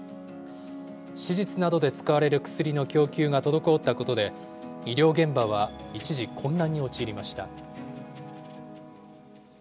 手術などで使われる薬の供給が滞ったことで、医療現場は一時、混乱に陥りました。